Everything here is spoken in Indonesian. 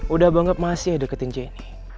udah bangga masih deketin jenny